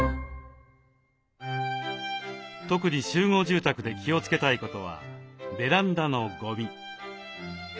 特に集合住宅で気をつけたいことはベランダのゴミ。